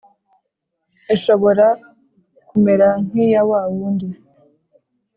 ishobora kumera nk’iya wa wundi